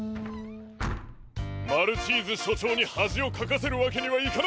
マルチーズしょちょうにはじをかかせるわけにはいかない！